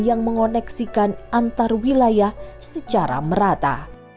yang mengoneksikan antarwilayah secara merata